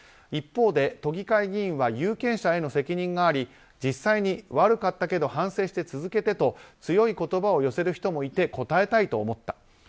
一方で都議会議員は有権者への責任があり実際に悪かったけど反省して続けてと強い言葉を寄せる人もいて応えたいと思った。